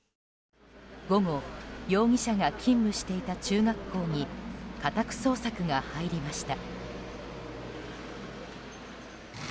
午後、容疑者が勤務していた中学校に家宅捜索が入りました。